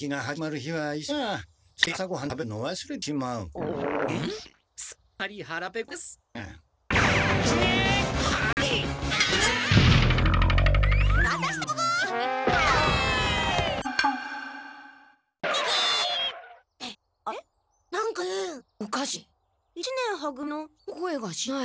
はい！